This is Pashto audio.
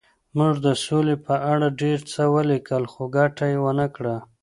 موږ د سولې په اړه ډېر څه ولیکل خو ګټه یې ونه کړه